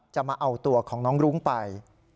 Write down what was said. มาเอาตัวของน้องรุ้งไป